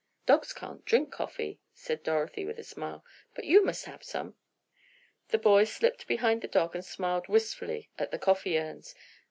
"Dogs can't drink coffee," said Dorothy with a smile, "but you must have some." The boy slipped behind the dog and smiled wistfully at the coffee urns.